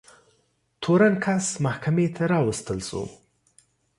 تورن کس محکمې ته راوستل شو.